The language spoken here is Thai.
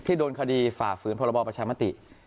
ที่โดนคฑาฝืนภรรบอบประชามาติ